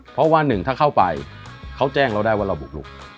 เพราะว่าหนึ่งถ้าเข้าไปเขาแจ้งเราได้ว่าเราบุกลุก